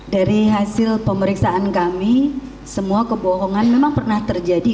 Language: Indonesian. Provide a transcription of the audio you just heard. dari hasil pemeriksaan kami semua kebohongan memang pernah terjadi